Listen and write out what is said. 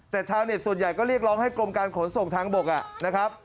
แต่ชาวเน็ตส่วนใหญ่ก็เรียกร้องให้กรมการขนส่งทางบกนะครับ